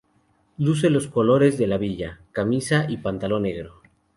Luce los colores de la villa: camisa y pantalón negro.